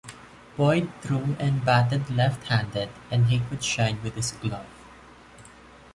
Boyd threw and batted left-handed, and he could shine with his glove.